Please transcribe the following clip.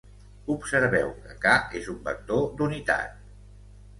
Observeu que k és un vector d'unitat.